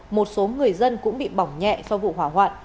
một số người dân cũng bị bỏng nhẹ sau vụ hỏa hoạn